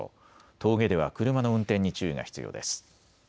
峠では車の運転に注意が必要です。